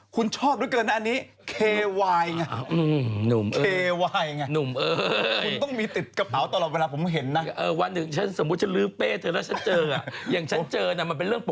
คุณชอบนี่คือแบบ